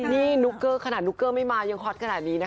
นี่นุกเกอร์ขนาดนุกเกอร์ไม่มายังฮอตขนาดนี้นะคะ